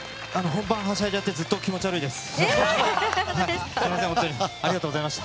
本番、はしゃいじゃってずっと気持ち悪いです。